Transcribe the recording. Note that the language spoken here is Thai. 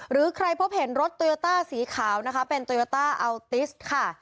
หรือใครพบเห็นรถตัวตาสีขาวนะคะเป็นตัวตาค่ะ